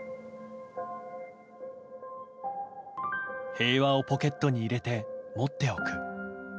平和をポケットに入れて持っておく。